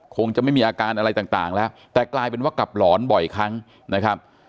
คงจะไม่มีอาการอะไรต่างแล้วแต่กลายเป็นว่ากลับหลอนบ่อยครั้งนะครับ